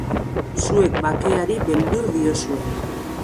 Zuek bakeari beldur diozue.